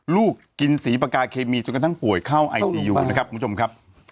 ลูกกินสีปากาเคมีจนกระทั่งป่วยเข้าไอซียูนะครับคุณผู้ชมครับ